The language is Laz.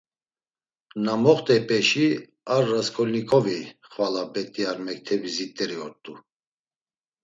Na moxt̆eypeşi ar Rasǩolnikovi xvala bet̆i ar mektebi zit̆eri ort̆u.